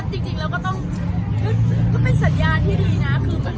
แต่ก็เป็นสัญญาณที่ดีนะ